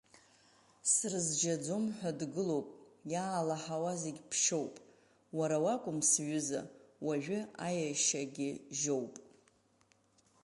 Срызжьаӡом ҳәа дгылоуп иаалаҳауа зегь ԥшьоуп, уара уакәым сҩыза, уажәы аиашьагьы жьоуп.